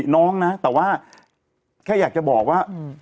น้องนะแต่ว่าแค่อยากจะบอกว่า